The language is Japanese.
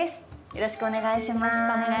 よろしくお願いします。